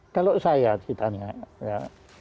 kalau saya ditanya